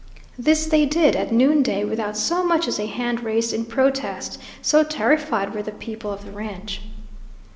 This they did at noonday, without so much as a hand raised in protest, so terrified were the people of the ranch.